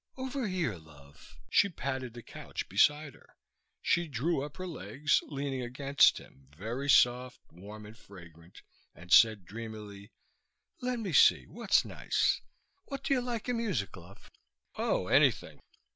"Over here, love." She patted the couch beside her. She drew up her legs, leaning against him, very soft, warm and fragrant, and said dreamily, "Let me see. What's nice? What do you like in music, love?" "Oh ... anything."